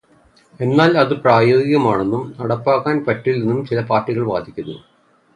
എന്നാൽ അത് അപ്രായോഗികമാണെന്നും നടപ്പാക്കാൻ പറ്റില്ലെന്നും ചില പാർട്ടികൾ വാദിക്കുന്നു.